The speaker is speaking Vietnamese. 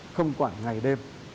không quản ngày đêm